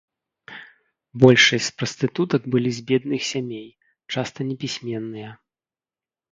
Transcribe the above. Большасць з прастытутак былі з бедных сямей, часта непісьменныя.